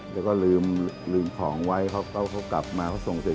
และก็ลืมของไว้เขากลับมาส่งเสร็จ